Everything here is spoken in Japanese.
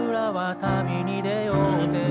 「旅に出ようぜ」